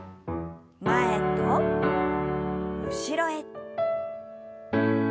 前と後ろへ。